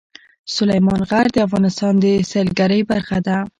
سلیمان غر د افغانستان د سیلګرۍ برخه ده.